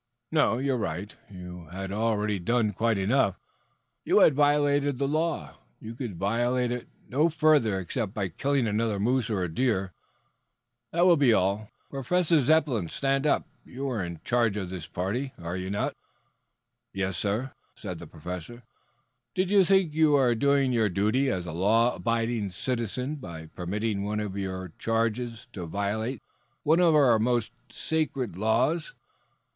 "No, you are right. You had already done quite enough. You had violated the law. You could violate it no further except by killing another moose or a deer. That will be all. Professor Zepplin, stand up. You are in charge of this party, are you not?" "Yes, sir." "Do you think you are doing your duty as a law abiding citizen by permitting one under your charge to violate one of our most sacred laws?"